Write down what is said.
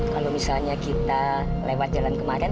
kalau misalnya kita lewat jalan kemarin